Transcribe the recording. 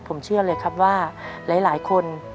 ผมเชื่อเลยครับว่าหลายคน